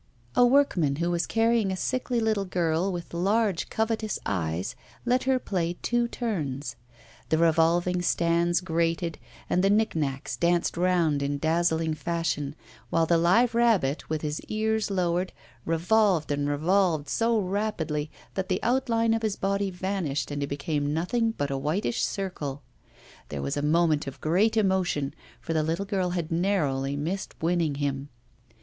A workman who was carrying a sickly little girl with large covetous eyes, let her play two turns. The revolving stands grated and the nick nacks danced round in dazzling fashion, while the live rabbit, with his ears lowered, revolved and revolved so rapidly that the outline of his body vanished and he became nothing but a whitish circle. There was a moment of great emotion, for the little girl had narrowly missed winning him.